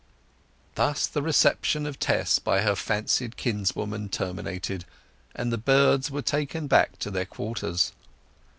Thus the reception of Tess by her fancied kinswoman terminated, and the birds were taken back to their quarters.